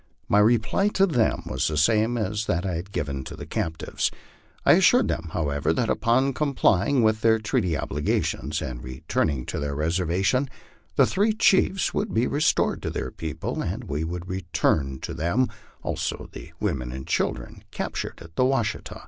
My reply to them was the same as that I had given to the captives. I assured them, however, that upon com plying with their treaty obligations, and returning to their reservation, the three chiefs would be restored to their people, and we would return to them also the women and children captured at the Washita.